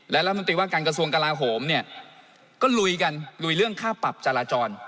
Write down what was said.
และรัฐมนตรีว่าการกระทรวงกลาโหมเนี่ยก็ลุยกันลุยเรื่องค่าปรับจราจร